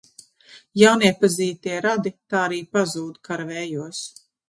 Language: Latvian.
Jauniepazītie radi tā arī pazūd kara vējos.